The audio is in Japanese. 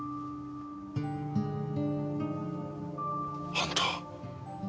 あんた。